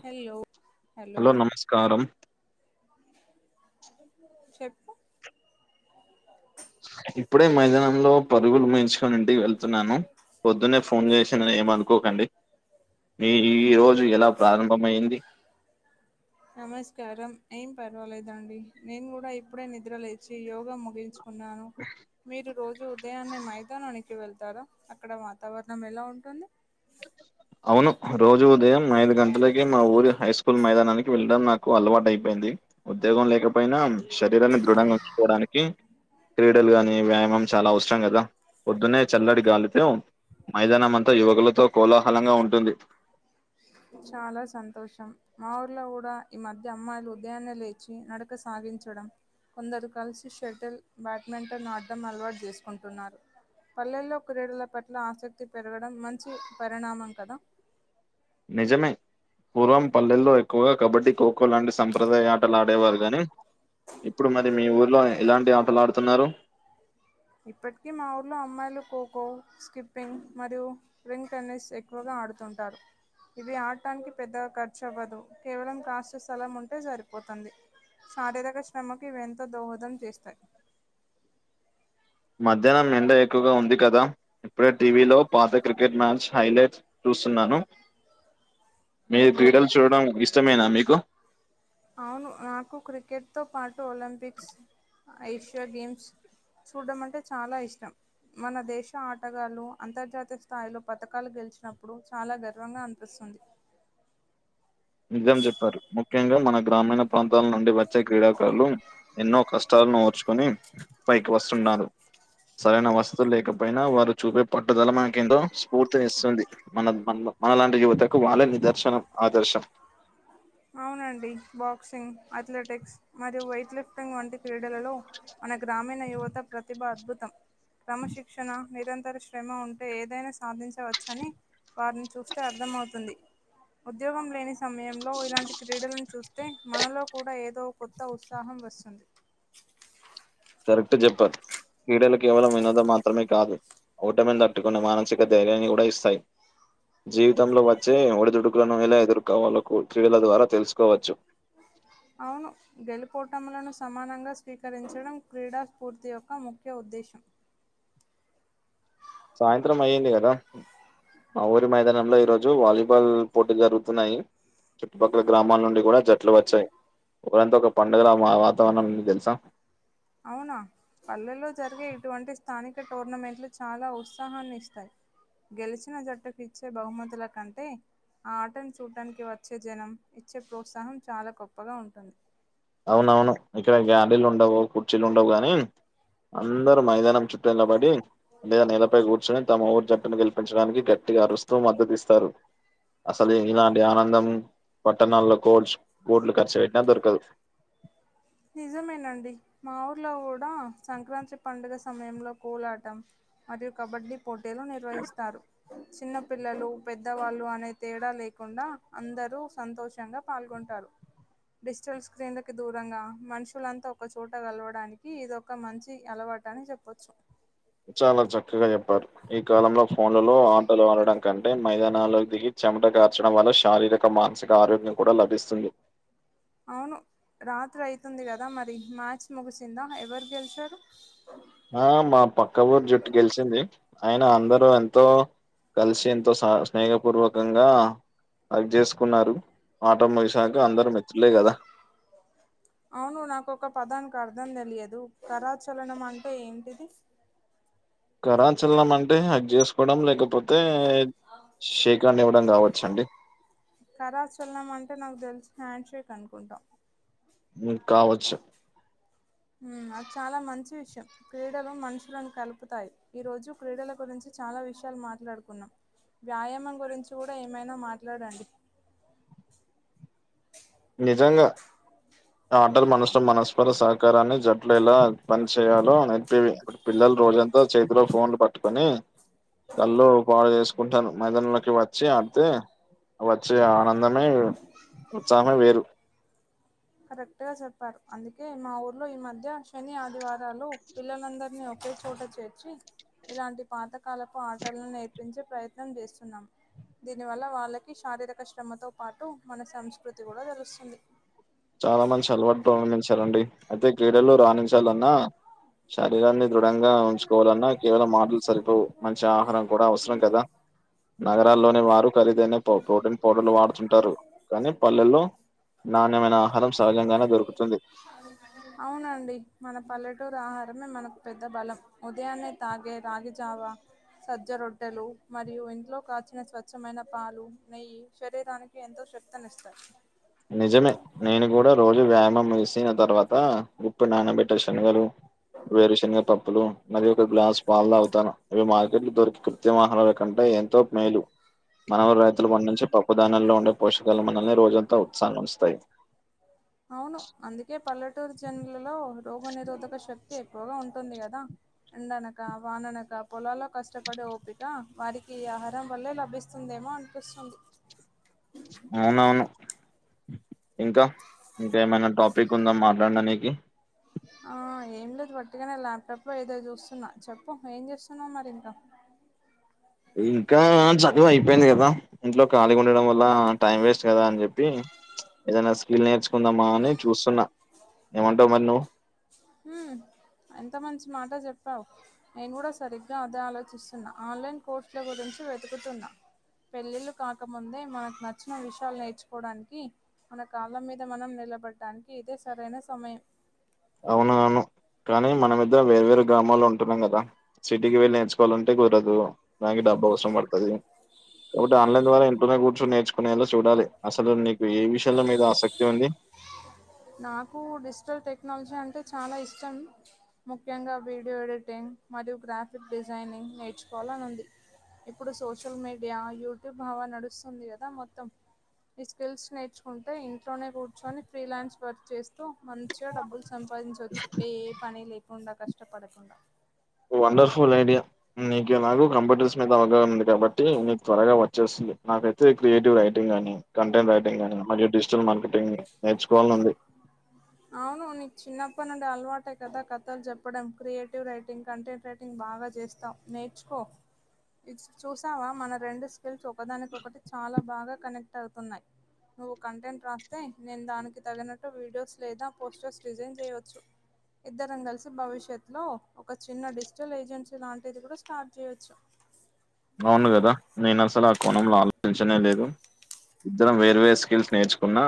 Hello hello నమస్కారం చెప్పు ఇప్పుడే మైదానంలో పరుగులు ముగించుకొని ఇంటికి వెళ్త తున్నాను పొద్దునే ఫోన్ చేసిన్నని ఏమనుకోకండి మీ ఈ రోజు ఎలా ప్రారంభమయింది నమస్కారం ఏం పర్వాలేదండి నేను కూడా ఇప్పుడే నిద్ర లేచి యోగ ముగించుకున్నాను మీరు రోజు ఉదయాన్నే మైదానానికి వెళ్తారా అక్కడ వాతావరణం ఎలా ఉంటుంది అవును రోజు ఉదయం ఐదు గంటలకి మా ఊరి హై స్కూల్ మైదానానికి వెళ్ళడం నాకు అలవాటు అయిపోయింది ఉద్యోగం లేకపోయినా శరీరాన్ని దృఢంగా ఉంచుకోవడానికి క్రీడలు గాని వ్యాయామం చాలా అవసరం కదా పొద్దునే చల్లటి గాలితో మైదానం అంతా యువకులతో కోలాహలంగా ఉంటుంది చాలా సంతోషం మా ఊర్లో కూడా ఈ మధ్య అమ్మాయిలు ఉదయాన్నే లేచి నడక సా వించడం కొందరు కలిసి షటిల్ బ్యాడ్మింటన్ ఆడ్డం అలవాటు చేసుకుంటున్నారు పల్లెల్లో క్రీడల పట్ల ఆసక్తి పెరగడం మంచి పరిణామం కదా నిజమే పూర్వం పల్లెల్లో ఎక్కువగా కబడ్డీ ఖోఖో లాంటి సంప్రదాయ ఆటలు ఆడేవారు గాని ఇప్పుడు మరి మీ ఊర్లో ఎలాంటి ఆటలు ఆడుతున్నారు ఇప్పటికి మా ఊర్లో అమ్మాయిలు ఖోఖో స్కిప్పింగ్ మరియు రింగ్ టెన్నిస్ ఎక్కువగా ఆడుతుంటారు ఇవి ఆడటానికి పెద్దగా ఖర్చు అవ్వదు కేవలం కాస్త స్థలం ఉంటే సరిపోతుంది శారీరక శ్రమకి ఇవి ఎంతో దోహదం చేస్తాయి మధ్యాహ్నం ఎండ ఎక్కువగా ఉంది కదా ఇప్పుడే టీవీలో పాత క్రికెట్ మ్యాచ్ హైలైట్ చూస్తున్నాను [unintelligible] మీరు క్రీడలు చూడడం ఇష్టమేనా మీకు అవును నాకు క్రికెట్తో పాటు ఒలంపిక్స్ ఏషియా గేమ్స్ చూడ్డం అంటే చాలా ఇష్టం మన దేశ ఆటగాళ్ళు అంతర్జాతీయ స్థాయిలో పథకాలు గెలిచినప్పుడు చాలా గర్వంగా అనిపిస్తుం స్తుంది నిజం చెప్పారు ముఖ్యంగా మన గ్రామీణ ప్రాంతాల నుండి వచ్చే క్రీడాకారులు ఎన్నో కష్టాలను ఓర్చుకోని పైకి వస్తున్నారు సరైన వసతులు లేకపోయినా వారు చూపే పట్టుదల మనకి ఎంతో స్ఫూర్తినిస్తుంది మన మన మనలాంటి యువతకు వాళ్ళే నిదర్శనం ఆదర్శం అవునండి బాక్సింగ్, అథ్లెటిక్స్ మరియు వెయిట్ లిఫ్టింగ్ వంటి క్రీడలలో మన గ్రామీణ యువత ప్రతిభ అద్భుతం. క్రమశిక్షణ నిరంత్ సరే, శ్రమ ఉంటే ఏదైనా సాధించవచ్చని వారిని చూస్తే అర్థమవుతుంది. ఉద్యోగం లేని సమయం ఫ్రెండ్స్ మనలో కూడా ఏదో కొత్త ఉత్సాహం వస్తుంది. కరెక్ట్ చెప్పారు. క్రీడలు కేవలం వినోదం మాత్రమే కాదు. ఓటమిని తట్టుకొనే మనసిక ధైర్యాన్ని కూడా ఇస్తాయి. జీవితంలో వచ్చే ఒడిదుడుకులను ఎలా ఎదుర్కోవాలో క్రీడల ద్వారా తెలుసుకోవచ్చు. [inaudible] అవును గెలుపోటములను సమానంగా స్వీకరించడం క్రీడా స్ఫూర్తి యొక్క ముఖ్య ఉద్దేశం. దేశం సాయంత్రం అయ్యింది కదా? మా ఊరి మైదానంలో ఈ రోజు వాలీబాల్ పోటీ జరుగుతున్నాయి. చుట్టుపక్కల గ్రామాల నుండి కూడా జట్లు వచ్చాయి. ఊరంతా ఒక పండుగల వాతావరణం ఉంది తెలుసా? అవునా, పల్లెల్లో జరిగే ఇటువంటి స్థానిక టోర్నమెంట్లు చాలా ఉత్సాహాన్ని ఇస్తాయి. గెలిచిన జట్టుకి ఇచ్చే బహుమతుల కంటే ఆ ఆటను చూటానికి వచ్చే జనం ఇచ్చే ప్రోత్సాహం చాలా గొప్పగా ఉంటుంది. అవునవును. ఇక్కడ గ్యాలరీలు ఉండవు, కుర్చీలు ఉండవు కానీ అందరూ మైదానం చుట్టూ నిలబడి లేదా నేలపై కూర్చొని తమ ఊరు జట్టుని గెలిపి పంచడానికి గట్టిగా అరుస్తూ మద్దతు ఇస్తారు. అసలు ఇలాంటి ఆనందం, పట్టణాల్లో కోచ్ కోట్లు ఖర్చు పెట్టినా దొరకదు. నిజమేనండి. మా ఊర్లో కూడా సంక్రాంతి పండుగ సమయంలో కోలాటం. అది కబడ్డీ పోటీలు నిర్వహిస్తారు. చిన్న పిల్లలు, పెద్దవాళ్ళు అనే తేడా లేకుండా అందరూ సంతోషంగా పాల్గొంటారు. డిజిటల్ స్క్రీన్లకి దూరంగా మనుషులంతా ఒక చోట కలవడానికి ఇదొక మంచి అలవాటు అని చెప్పొచ్చు. చాలా చక్కగా చెప్పారు. ఈ కాలంలో ఫోన్లలో ఆటలు ఆడడం కంటే మైదానాల్లోకి దిగి చెమట గార్చడం వల్ల శారీరక మానసిక ఆరోగ్యం కూడా లభిస్తుంది. అవును రాత్రి అవుతుంది కదా, మరి మ్యాచ్ ముగిసిందా ఎవరు గెలిచారు? ఆ మా పక్క ఊరు జుట్టు గెలిచింది. అయిన అందరూ ఎంతో కలిసి ఎంతో స్నేహపూర్వకంగా హగ్ చేసుకున్నారు. ఆటముగిశాక అందరూ మిత్రులే కదా. అవును నాకొక పదానికి అర్థం తెలియదు. కరాచలనం అంటే ఏంటిది? కరాచలనం అంటే హగ్ చేసుకోవడం లేకపోతే షేక్ హ్యాండ్ ఇవ్వడం కావచ్చు. చ్చండి కరాచలనము అంటే నాకు తెలిసి హ్యాండ్ షేక్ అనుకుంటా. కావచ్చు. ఉమ్, అది చాలా మంచి విషయం. క్రీడలు మనుషులను కలుపుతాయి. ఈ రోజు క్రీడల గురించి చాలా విషయాలు మాట్లాడుకున్నాం. వ్యాయామం గురించి కూడా ఏమైనా మాట్లాడండి. నిజంగా ఆటర్ మనుష మనస్పర సహకారాన్ని జట్లు ఎలా పన్ చేయాలో నేర్పే పిల్లల్ రోజంతా చేతిలో ఫోన్లు పట్టుకొని కళ్ళు బాగు చేస్కుంటాను మైదానంలోకి వచ్చి ఆడ్తే వచ్చే ఆనందమే ఉత్సాహమే వేరు కరెక్ట్గా చెప్పారు అందుకే మా ఊర్లో ఈ మధ్య శని, ఆదివారాలు పిల్లలందర్నీ ఒకే చోట చేర్చి ఇలాంటి పాతకాలపు ఆటలను నేర్పించే ప్రయత్నం చేస్తున్నాం. దీనివల్ల వాళ్ళకి శారీరక శ్రమతో పాటు మన సంస్కృతి గుడా తెలుస్తుంది. చాలా మంచి అలవాటు ప్రారంభించారండి. అయితే క్రీడలు రాణించాలన్నా శరీరాన్ని దృఢంగా ఉంచుకోవాలన్నా కేవలం ఆటల్ సరిపోవు మంచి ఆహారం కూడా అవసరం కదా. నగరాల్లోని వారు ఖరీదైన ప్రోటీన్ పౌడర్లు వాడుతుంటారు, కానీ పల్లెల్లో నాణ్యమైన ఆహారం సహజంగానే దొరుకుతుంది. అవునండి మన పల్లెటూరు ఆహారమే మనకు పెద్ద బలం. ఉదయాన్నే తాగే రాగిజావా సజ్జ రొట్టెలు మరియు ఇంట్లో కాచిన స్వచ్ఛమైన పాలు, నెయ్యి శరీరానికి ఎంతో శక్తినిస్తాయి. నిజమే నేను గుడా రోజు వ్యాయామం వేసిన తర్వాత ఉప్పు నానబెట్ట శనగలు, వేరు శనగ పప్పులు మరీ ఒక గ్లాస్ పాల్ తాగుతాను. ఇవి మార్కెట్లు దొరికే కృత్రిమ ఆహరాల కంటే ఎంతో మేలు మనవ రైతులు పండించే పప్పుధాన్యాల్లో ఉండే పోషకాలు మనల్ని రోజంతా ఉత్సాహంగ ఉంచుతాయి. అవును అందుకే పల్లెటూర్ జన్లలో రోగ నిరోధక శక్ క్తి ఎక్కువగా ఉంటుంది కదా ఎండనక, వాననక పొలాల్లో కష్టపడే ఓపిక వారికి ఈ ఆహారం వల్లే లభిస్తుందే మో అన్పిస్తుంది. అవునవును. ఇంక ఇంకేమైనా టాపిక్ ఉందా మాట్లాడనీకి ఆ ఏం లేదు వట్టిగనే ల్యాప్టాప్లో ఏదో చూస్తున్నా. చెప్పు ఏం చేస్తున్నావు మరి ఇంకా ఇంకా చదువు అయిపోయింది కదా ఇంట్లో ఖాళీగుండడం వల్ల టైం వేస్ట్ కదా అని చెప్పి ఏదన్న స్కిల్ నేర్చుకుందామా అని చూస్తున్న. ఏమంటవు మరి నువ్వు హ్మ్ ఎంత మంచి మాట చెప్పావు. నేన్ గుడా సరిగ్గా అదే ఆలోచిస్తున్నా ఆన్లైన్ కోర్సుల గురిం వెతుకుతున్నా పెళ్ళిళ్ళు కాకముందే మనక్ నచ్చిన విషయాల్ నేర్చుకోడానికి మన కాళ్ళ మీద మనం నిలబడ్డానికి ఇదే సరైన సమయం. అవునా అను కానీ మనమిద్దరం వేరు వేరు గ్రామాల్లో ఉంటున్నాం కదా సిటీకి వెళ్ళి నేర్చుకోవాలంటే కుదరదు డబ్బు అవసరం పడ్తది. కాబట్టి ఆన్లైన్ ద్వారా ఇంట్లోనే కూర్చొన్ నేర్చుకునేలా చూడాలి. అసలు నీకు ఏ విషయంలో మీద ఆసక్తి ఉంది. నాకు డిజిటల్ టెక్నాలజీ అం టే చాలా ఇష్టం. ముఖ్యంగా వీడియో ఎడిటింగ్ మరియు గ్రాఫిక్ డిజైనింగ్ నేర్చు కోవాలన్ ఉంది. ఇప్పుడు సోషల్ మీడియా, యూట్యూబ్ హవా నడుస్తుంది కదా మొత్తం. ఈ స్కిల్స్ నేర్చుకుంటే ఇంట్లోనే కూర్చొని ఫ్రీలాన్స్ వర్క్ చేస్తూ మంచిగ డబ్బుల్ సంపాదించచ్చు. ఏ ఏ పని లే ఉండ కష్టపడకుండ వండర్ఫుల్ ఐడియా నీకేమగు కంప్యూటర్స్ మీద అవగాహన ఉంది కాబట్టి నీకు త్వరగా వచ్చేస్తుంది. నాకైతే క్రియేటివ్ రైటింగ్ గానీ, కంటెంట్ రైటింగ్ గానీ, మరియు డిజిటల్ మార్కెటింగ్ నేర్చుకోవాలన్ ఉంది. ఆ అవును నీకు చిన్నప్పనుండి అలవాటే కదా కథాలు చెప్పడం క్రియేటివ్ రైటింగ్ కంటెంట్ రైటింగ్ బా బాగా చేస్తావ్ నేర్చుకో చూసావా మన రెండు స్టెట్స్ ఒకదానికోకటి చాలా బాగా కనెక్ట్ అవుతున్నాయి, నువ్వు కంటెంట్ రాస్తే నేను దానికి తగినట్టు వీడియోస్ లేదా పోస్టర్స్ డిజైన్ చేయోచ్చు. ఇద్దరం కలిసి భవిష్యత్ లో ఒక చిన్న డిజిటల్ ఏజెన్సీ లాంటిది కూడా స్టార్ట్ చేయొచ్చు. [inaudible] అవును కదా నేను అస్సలు ఆ కోణంలో ఆలోచించనే లేదు. ఇద్దరం వేర్ వేరు స్కిల్స్ నేర్చుకున్నా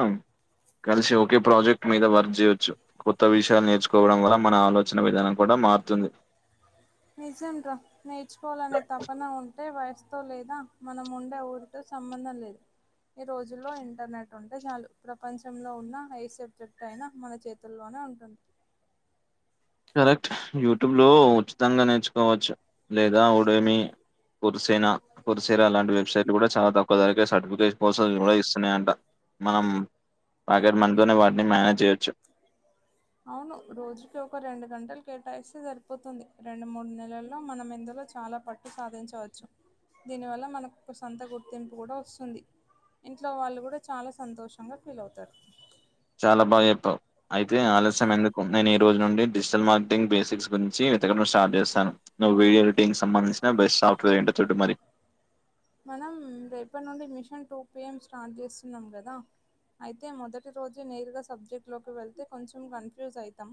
కలిసి ఒకే ప్రాజెక్ట్ మీద వర్క్ చేయొచ్చు కొత్త విషయాలు నేర్చుకోవడం వల్ల మన ఆలోచన విధానం కూడా మారుతుంది. [inaudible] నిజం రా నేర్చుకోవాలనే తపన ఉంటే వయసుతో లేదా మనం ఉండే ఊరితో సంబంధం లేదు ఈ రోజుల్లో ఇంటర్నెట్ ఉంటే చాలు ప్రపంచంలో ఉన్న ఏ సబ్జెక్ట్ అయినా మన చేతుల్లో [inaudible] కరెక్ట్ యూట్యూబ్ లో ఉచితంగా నేర్చుకోవచ్చు లేదా వోడేమి కురుసేనా పురుసేనా లాంటి వెబ్సైట్లు కూడా చాలా తక్కువ ధరకే సర్టిఫికేట్ పోస్లర్స్ కూడా ఇస్తున్నాయంట మనం ప్యాకెట్ మనితోనే వాటిని మేనేజ్ చేయొచ్చు అవును రోజుకి ఒక రెండు గంటలు కేటాయిస్తే సరిపోతుంది, రెండు మూడు నెలల్లో మనం ఎందు లో చాలా పట్టు సాధించవచ్చు దీని వల్ల మనకు సొంత గుర్తింపు కూడా వస్తుంది. ఇంట్లో వాళ్ళు కూడా చాలా సంతోషంగా ఫీల్ అవుతారు చాలా బాగా చెప్పావు అయితే ఆలస్యం ఎందుకు నేను ఈ రోజు నుండి డిజిటల్ మార్కెటింగ్ బేసిక్స్ గురించి తకడం స్టార్ట్ చేస్తాను నువ్వువిడియో ఎడిటింగ్ సంబంధించిన బెస్ట్ సాఫ్ట్వేర్ ఎంటో చుడు మరి మనం రేపటి నుండి మిషన్ టూ పిఎం స్టార్ట్ చేస్తున్నాం కదా అయితే మొదటి రోజు నేరుగా సబ్జెక్ట్ లోకి వెళ్తే కొంచెం కన్ఫ్యూజ్ ఐతాం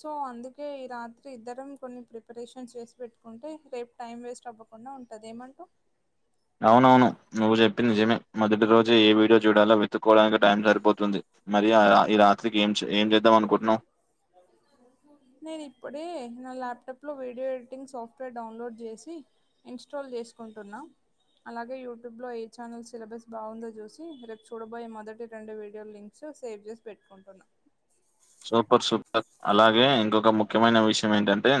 సో అందుకే ఈ రాత్రి ఇద్దరం కొన్ని ప్రిపరేషన్స్ చేసి పెట్టుకుంటే రేపు టైం వేస్ట్ అవ్వకు కుండా ఉంటది ఏమంటవ్ అవునవును నువ్వు చెప్పింది నిజమే మొదటి రోజే ఏ వీడియో చూడాలో వెతుకోడానికి టైం సరిపోతుంది మరి ఈ ఈ రాత్రికి ఏం ఏం చేద్దాం అనుకుంటున్నావు [inaudible] నేను ఇప్పుడే నా ల్యాప్టాప్ లో వీడియో ఎడిటింగ్ సాఫ్ట్వేర్ డౌన్లోడ్ చేసి ఇ స్టల్ చేసుకుంటున్నా అలాగే యూట్యూబ్ లో ఏ ఛానల్ సిలబస్ బాగుందో చూసి రేపు చూడబోయే మొదటి రెండు వీడియో లింక్స్ సేవ్ చేసి పెట్టుకుంటున్నా సూపర్ సూపర్ అలాగే ఇంకొక ముఖ్యమైన విషయం ఏంటంటే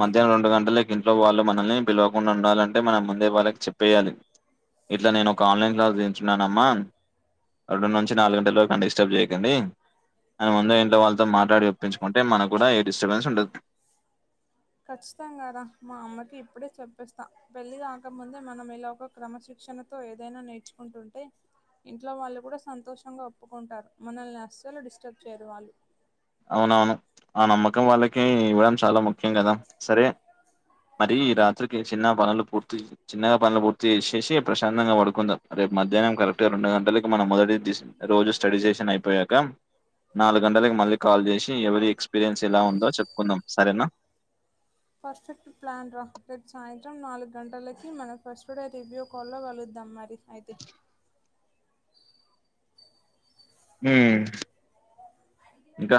మధ్యాహనం రెండు గంటలకింట్లో వాళ్ళు మనల్ని పిలవకుండా ఉండాలంటే మనం ముందే వాళ్ళకి చెప్పేయాలి ఇట్లా నేను ఒక ఆన్లైన్ క్లాస్ వింటున్నానమ్మా రెండు నుంచి నాలుగు గంటల వరకు నన్ను డిస్టర్బ్ చేయ్యకండి అని ముందు ఏంటో వాళ్ళతో మాట్లాడి ఒప్పించుకుంటే మనకు కూడా ఏ డిస్టర్బెన్స్ ఉండదు. ఖచ్చితంగా రా కదా మా అమ్మకి ఇప్పుడే చెప్పెస్తా పెళ్ళి కాకముందే మనం ఇలా ఒక క్రమశిక్ష క్షణతో ఏదైనా నేర్చుకుంటుంటే ఇంట్లో వాళ్ళు కూడా సంతోషంగా ఒప్పుకుంటారు, మనల్ని అస్సలు డిస్టర్బ్ చేయరు వాళ్ళు అవునవును ఆ నమ్మకం వాళ్ళకి ఇవ్వడం చాలా ముఖ్యం కదా సరే మరి ఈ రాత్రికి చిన్న పనులు పూర్తి చెసి చిన్నగా పనులు పూర్తి చేసి చేసి ప్రశాంతంగా పడుకుందాం రే మధ్యాహ్నం కరెక్ట్ గా రెండు గంటలకి మనం మొదటి రోజు స్టడీ చేసిన్ అయిపోయాక నాలుగు గంట కాల్ చేసి ఎవరి ఎక్స్పీరియన్స్ ఎలా ఉందో చెప్పుకుందాం సరేనా పర్ఫెక్ట్ ప్లాన్ రా రేపు సాయంత్రం నాలుగు గంటలకి మన ఫస్ట్ రివ్యూ కాల్లో కలు ద్దామ్ మరి అయితే ఉ ఇంక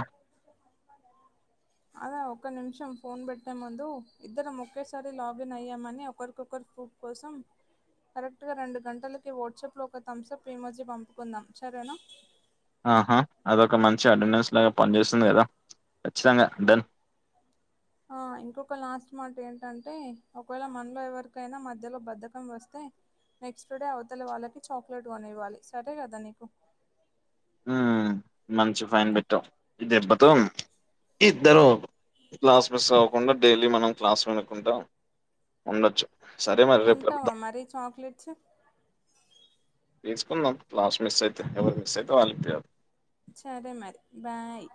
అద ఒక నిమిషం ఫోన్ పెట్టే ముందు ఇద్దరం ఒకేసారి లాగిన్ అయ్యామని ఒకరికొకరు ప్రూఫ్ కోసం కరెక్ట్గా రెండు గంటలకి వాట్సాప్లో ఒక థమ్సప్ ఈమోజీ పంపుకుందాం సరేనా ఆహ అదొక మంచి అటెండెన్స్ లాగ పనిచేస్తుంది కదా కచ్చితంగా డన్ ఆ ఇంకొక లాస్ట్ మాట ఏంటంటే ఒకవేళ మనలో ఎవరికైనా మధ్యలో బద్ధకం వస్తే నెక్స్ట్ డే అవతల వాళ్ళకి చాక్లెట్ కొనివ్వాలి సరే కదా నీకు ఉ మంచి ఫైన్ పెట్టావ్ ఇ దిెబ్బతో ఇద్దరు క్లాస్ మిస్ అవ్వకుండ డైలీ మనం క్లాస్ వినుక్కుంటాం ఉండొచ్చు సరే మరి రేపు కొంటావ కలుద్దాం మరి చాక్లెట్స్ తీసుకుందాం క్లాస్ మిస్ అయితే ఎవరు మిస్ అయితే వాళ్ళు తీర్ సరే మరి బాయ్